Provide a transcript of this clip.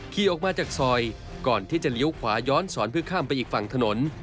ขี่ออกมาจากซอยก่อนที่จะเลี้ยวขวาย้อนสอนเพื่อข้ามไปอีกฝั่งถนน